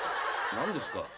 何ですか？